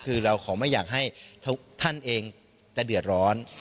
คือเราขอไม่อยากให้ทุกท่านเองจะเดือดร้อน